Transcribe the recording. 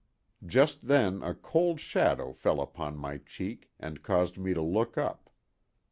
Just then a cold shadow fell upon my cheek, and caused me to look up.